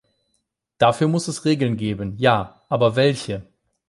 Dafür muss es Regeln geben, ja, aber welche?